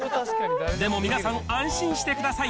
でも皆さん安心してください。